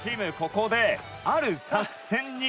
「ここで、ある作戦に」